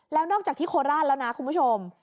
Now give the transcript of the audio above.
แล้วนอกจากที่โคราชแล้วนะคุณผู้ชม